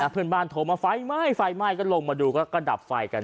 เพื่อนบ้านโทรมาไฟไหม้ไฟไหม้ก็ลงมาดูก็ดับไฟกัน